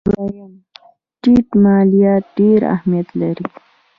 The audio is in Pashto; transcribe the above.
دویم: ټیټ مالیات ډېر اهمیت لري.